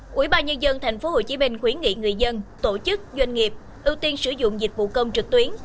quỹ ba nhân dân tp hcm khuyến nghị người dân tổ chức doanh nghiệp ưu tiên sử dụng dịch vụ công trực tuyến